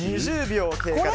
２０秒経過。